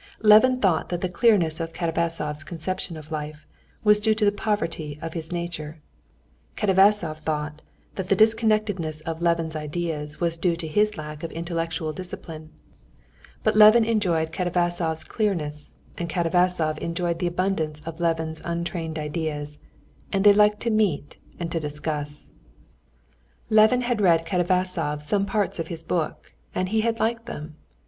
Levin thought that the clearness of Katavasov's conception of life was due to the poverty of his nature; Katavasov thought that the disconnectedness of Levin's ideas was due to his lack of intellectual discipline; but Levin enjoyed Katavasov's clearness, and Katavasov enjoyed the abundance of Levin's untrained ideas, and they liked to meet and to discuss. Levin had read Katavasov some parts of his book, and he had liked them.